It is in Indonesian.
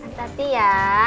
ya berangkat ya